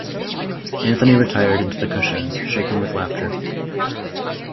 Anthony retired into the cushions, shaken with laughter.